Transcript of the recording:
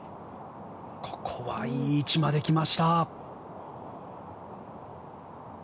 ここはいい位置まで来ました。